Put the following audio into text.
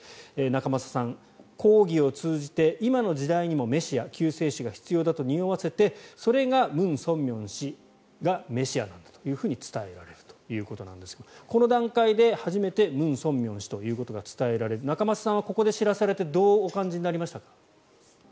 仲正さん、講義を通じ今の時代にもメシア、救世主が必要だとにおわせてそれがムン・ソンミョン氏がメシアなんだと伝えられるということですがこの段階で初めてムン・ソンミョン氏と伝えられる仲正さんは、ここで知らされてどうお感じになりましたか？